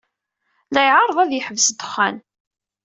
La iɛerreḍ ad yeḥbes ddexxan.